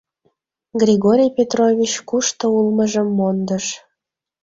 Григорий Петрович кушто улмыжым мондыш...